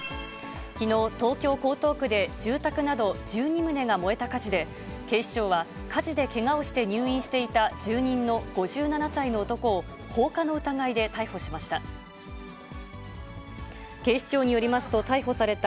きのう、東京・江東区で、住宅など１２棟が燃えた火事で、警視庁は、火事でけがをして入院していた住人の５７歳の男を放火の疑いで逮捕しました。